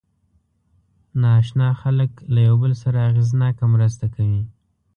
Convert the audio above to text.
ناآشنا خلک له یو بل سره اغېزناکه مرسته کوي.